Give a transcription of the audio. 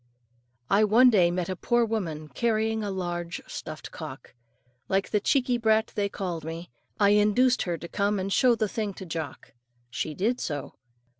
I one day met a poor woman carrying a large stuffed cock. Like the cheeky brat they called me, I induced her to come and show the thing to Jock. She did so.